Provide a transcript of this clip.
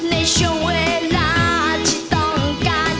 ในช่วงเวลาที่ต้องการ